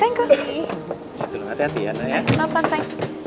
aku juga k shepherd here tanya tanya makanan